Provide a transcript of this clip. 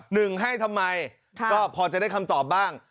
หนึ่งให้ทำไมก็พอจะได้คำตอบบ้าง